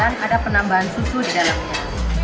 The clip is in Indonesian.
dan ada penambahan susu di dalamnya